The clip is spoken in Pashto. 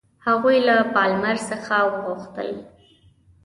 هغوی له پالمر څخه وغوښتل.